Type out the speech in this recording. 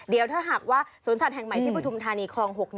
เดี๋ยวถ้าหากว่าสวนสัตว์แห่งใหม่ที่ปฐุมธานีคลอง๖